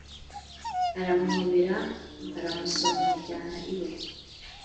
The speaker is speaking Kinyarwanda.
aramuhobera aramusoma amujyana iwe